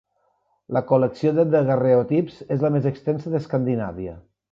La col·lecció de daguerreotips és la més extensa d'Escandinàvia.